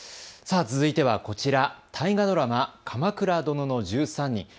さあ続いてはこちら大河ドラマ、鎌倉殿の１３人。